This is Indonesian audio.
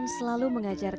ne dieta itu yang punya polite